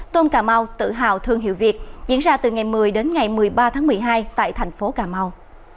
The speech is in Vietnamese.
tôm cà mau tự hào thương hiệu việt diễn ra từ ngày một mươi đến ngày một mươi ba tháng một mươi hai tại thành phố cà mau